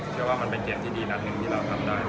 เชื่อว่ามันเป็นเกมที่ดีนัดหนึ่งที่เราทำได้